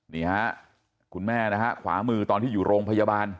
นี่ฮะคุณแม่นะฮะขวามือตอนที่อยู่โรงพยาบาล